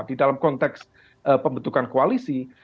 di dalam konteks pembentukan koalisi